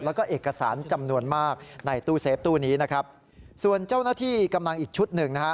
แล้วก็เอกสารจำนวนมากในตู้เซฟตู้นี้นะครับส่วนเจ้าหน้าที่กำลังอีกชุดหนึ่งนะฮะ